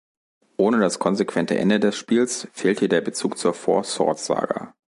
Ohne das konsequente Ende des Spiels fehlt hier der Bezug zur Four-Swords-Saga.